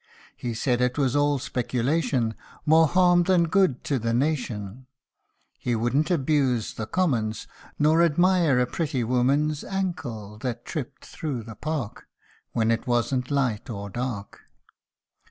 He said it was all speculation, More harm than good to the nation. DESCRIPTION OF A LOST FRIEND. 225 He wouldn't abuse the Commons, Nor admire a pretty woman's Ancle, that tripped thro 1 the park When it wasn't light or dark.